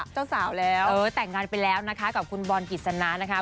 เจ้าสาวแล้วเออแต่งการไปแล้วนะคะก่อนคุณบอร์นกิสมานนะคะ